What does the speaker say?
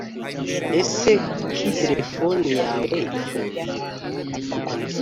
Ese kuki telepfoni yawe ifunze”